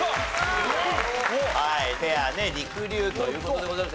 はいペアねりくりゅうという事でございまして。